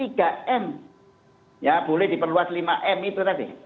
ya boleh diperluas lima m itu tadi